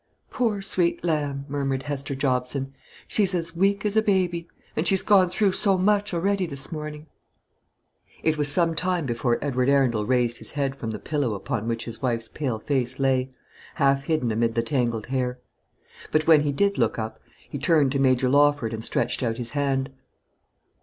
"Poor sweet lamb!" murmured Hester Jobson; "she's as weak as a baby; and she's gone through so much a'ready this morning." It was some time before Edward Arundel raised his head from the pillow upon which his wife's pale face lay, half hidden amid the tangled hair. But when he did look up, he turned to Major Lawford and stretched out his hand.